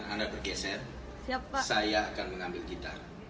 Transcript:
anda bergeser saya akan mengambil gitar